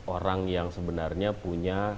orang yang sebenarnya punya